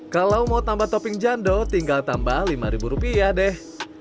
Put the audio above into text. kalau mau tambah topping jando tinggal tambah lima rupiah deh